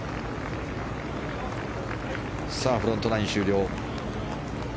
フロントナイン終了。